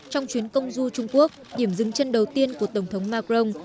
trong chuyến công du trung quốc điểm dừng chân đầu tiên của tổng thống macron